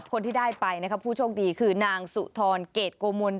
คนที่ได้ไปนะครับผู้โชคดีคือนางสุธรเกรดโกมล